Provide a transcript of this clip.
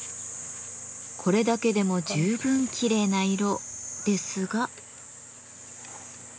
これだけでも十分きれいな色ですが。